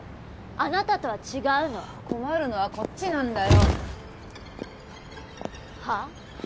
あなたとは違うの困るのはこっちなんだよはぁ？